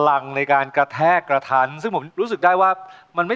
อยากถามแค่ให้เธอตอบหน่อยได้ไหม